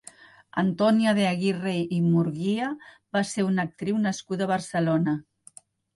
Antonia de Aguirre i Murguia va ser una actriu nascuda a Barcelona.